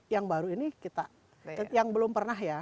yang baru ini kita yang belum pernah ya